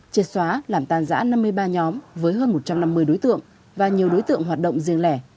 triệt xóa làm tàn giã năm mươi ba nhóm với hơn một trăm năm mươi đối tượng và nhiều đối tượng hoạt động riêng lẻ